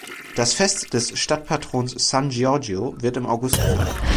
Das Fest des Stadtpatrons San Giorgio wird im August gefeiert.